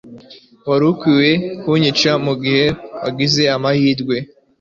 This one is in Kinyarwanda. wari ukwiye kunyica mugihe wagize amahirwe